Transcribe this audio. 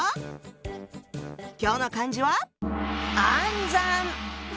今日の漢字は「暗算」！